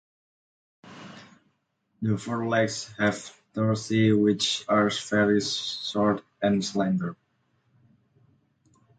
The forelegs have tarsi which are very short and slender.